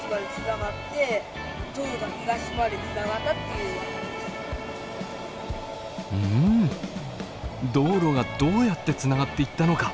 うん道路がどうやってつながっていったのか